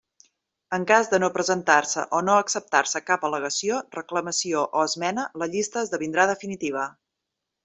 En cas de no presentar-se o no acceptar-se cap al·legació, reclamació o esmena la llista esdevindrà definitiva.